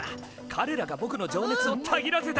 かれらがぼくの情熱をたぎらせた！